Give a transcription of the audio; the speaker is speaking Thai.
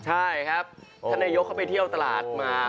ใช่ครับท่านนายกเข้าไปเที่ยวตลาดมา